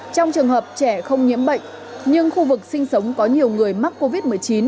trong trường hợp trẻ không nhiễm bệnh nhưng khu vực sinh sống có nhiều người mắc covid một mươi chín